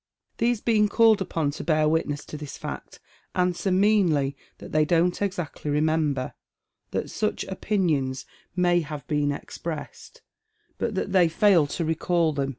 These being called upon to bear witness to this fact answer meanly that they don't exactly remember : that such opinions may have been exoressed : but *A Dark Tale Darldy FinisTlea.'" 379 that they fail to recall them.